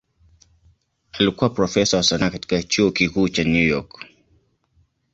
Alikuwa profesa wa sanaa katika Chuo Kikuu cha New York.